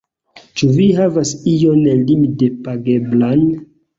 Ĉu vi havas ion limdepageblan?